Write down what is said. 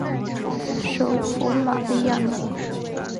首府玛利亚娜。